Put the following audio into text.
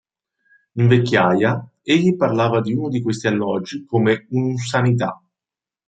In vecchiaia, egli parlava di uno di questi alloggi come "un'unsanità".